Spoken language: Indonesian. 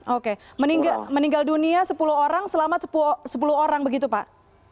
oke meninggal dunia sepuluh orang selamat sepuluh orang begitu pak